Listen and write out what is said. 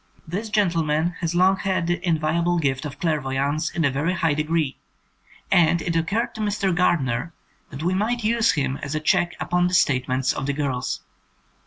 This gentleman has long had the enviable gift of clairvoyance in a very high degree, and it occurred to Mr. Gardner that we might use him as a check upon the state ments of the girls.